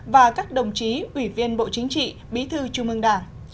và các đồng chí ủy viên bộ chính trị bí thư trung ương đảng